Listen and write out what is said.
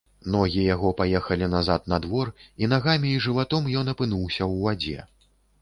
Ногі яго паехалі назад на двор, і нагамі і жыватом ён апынуўся ў вадзе.